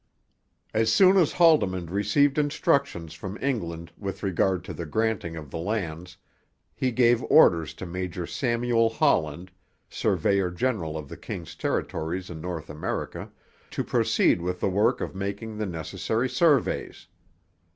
As soon as Haldimand received instructions from England with regard to the granting of the lands he gave orders to Major Samuel Holland, surveyor general of the king's territories in North America, to proceed with the work of making the necessary surveys.